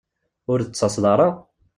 Ur d-tettaseḍ ara?